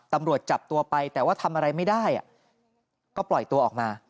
ตำรวจจับตัวไปแต่ว่าทำอะไรไม่ได้ก็ปล่อยตัวออกมา